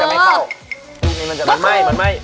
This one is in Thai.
มันไม่ควรเอามาเล่นภาพนี้